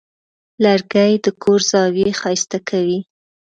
لرګی د کور زاویې ښایسته کوي.